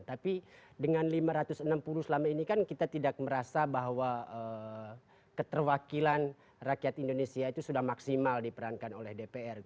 tapi dengan lima ratus enam puluh selama ini kan kita tidak merasa bahwa keterwakilan rakyat indonesia itu sudah maksimal diperankan oleh dpr